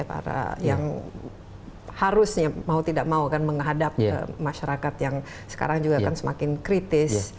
para yang harusnya mau tidak mau kan menghadap masyarakat yang sekarang juga akan semakin kritis